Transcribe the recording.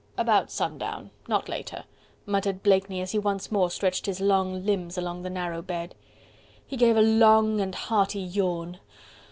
"About sundown... not later..." muttered Blakeney, as he once more stretched his long limbs along the narrow bed. He gave a loud and hearty yawn.